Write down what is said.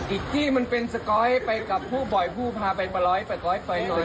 อิจจี้มันเป็นสก๊อตไปกับผู้บ่อยผู้พาไปบร้อยไปก๊อยไปน้อย